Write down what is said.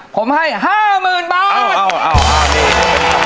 ผมให้๕ม่ื่นบาท